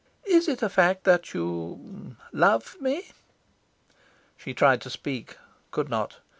Is it a fact that you love me?" She tried to speak, could not.